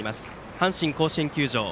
阪神甲子園球場。